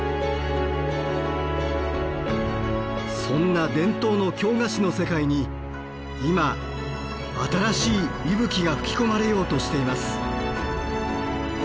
そんな伝統の京菓子の世界に今新しい息吹が吹き込まれようとしています。